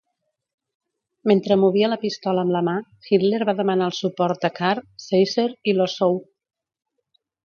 Mentre movia la pistola amb la mà, Hitler va demanar el suport de Kahr, Seisser i Lossow.